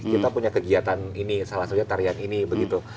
kita punya kegiatan ini salah satunya tarian ini begitu